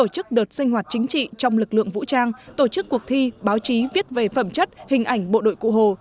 chính trị trong lực lượng vũ trang tổ chức cuộc thi báo chí viết về phẩm chất hình ảnh bộ đội cụ hồ